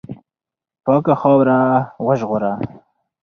پاکه خاوره وژغوره.